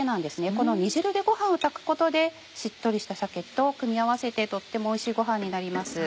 この煮汁でご飯を炊くことでしっとりした鮭と組み合わせてとってもおいしいご飯になります。